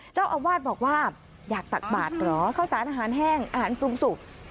เจ้าอาวาสบอกว่าอยากตักบาทเหรอข้าวสารอาหารแห้งอาหารปรุงสุก